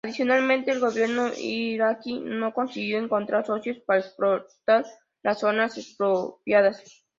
Adicionalmente, el gobierno iraquí no consiguió encontrar socios para explotar las zonas expropiadas.